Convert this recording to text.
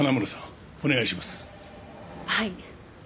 はい。